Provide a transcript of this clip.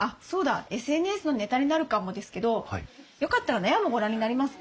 ＳＮＳのネタになるかもですけどよかったら納屋もご覧になりますか？